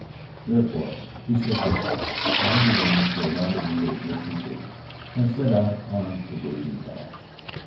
Therefore we said good by, having arranged for a rendezvous at a distant date, and set out on di verging paths.